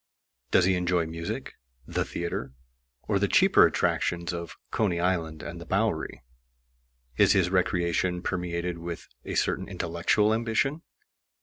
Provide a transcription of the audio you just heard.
Does he enjoy music, the theater, or the cheaper attractions of Coney Island and the Bowery? Is his recreation permeated with a certain intellectual ambition?